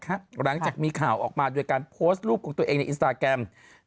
หลังจากมีข่าวออกมาโดยการโพสต์รูปของตัวเองในอินสตาแกรม